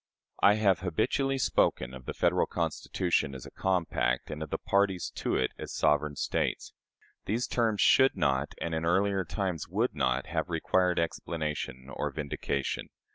I have habitually spoken of the Federal Constitution as a compact, and of the parties to it as sovereign States. These terms should not, and in earlier times would not, have required explanation or vindication.